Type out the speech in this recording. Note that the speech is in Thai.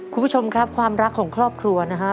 คุณผู้ชมครับความรักของครอบครัวนะครับ